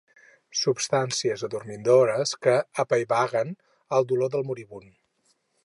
Substàncies adormidores que apaivaguen el dolor del moribund.